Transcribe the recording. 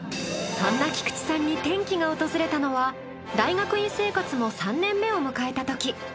そんな菊池さんに転機が訪れたのは大学院生活も３年目を迎えた時。